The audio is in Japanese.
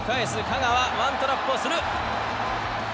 香川ワントラップをする。